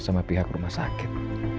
sama pihak rumah sakit